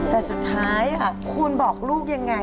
แต่สุดท้ายคุณบอกลูกยังไง